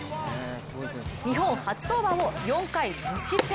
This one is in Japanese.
日本初登板を４回無失点。